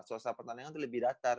suasa pertandingan tuh lebih datar